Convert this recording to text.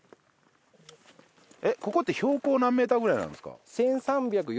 えっここって標高何メーターぐらいなんですか？